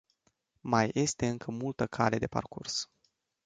Mai este încă multă cale de parcurs.